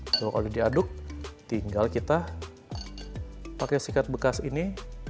nah kalau udah diaduk tinggal kita pake sikat bekas ini